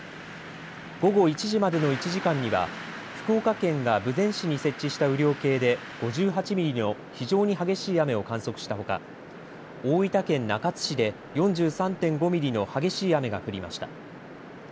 午後１時までの１時間には福岡県が豊前市に設置した雨量計で５８ミリの非常に激しい雨を観測したほか、大分県中津市で４３．５ミリの激しい雨が降りました。